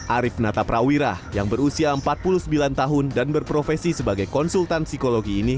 arif nataprawira yang berusia empat puluh sembilan tahun dan berprofesi sebagai konsultan psikologi ini